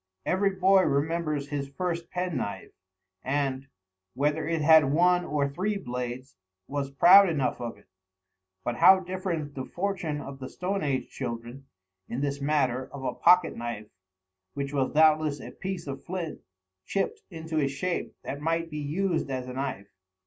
Every boy remembers his first pen knife, and, whether it had one or three blades, was proud enough of it; but how different the fortune of the stone age children, in this matter of a pocket knife, which was doubtless a piece of flint chipped into a shape that might be used as a knife.